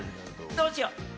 どうしようかな。